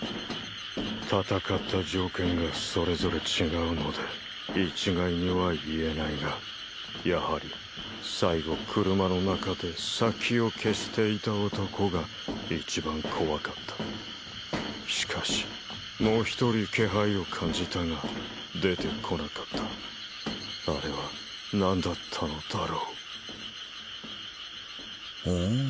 戦った条件がそれぞれ違うので一概には言えないがやはり最後車の中で殺気を消していた男が一番怖かったしかしもう一人気配を感じたが出てこなかったあれは何だったのだろうほう